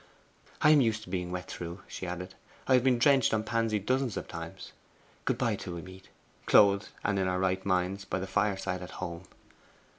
'I am used to being wet through,' she added. 'I have been drenched on Pansy dozens of times. Good bye till we meet, clothed and in our right minds, by the fireside at home!